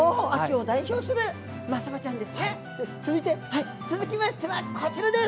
はい続きましてはこちらです！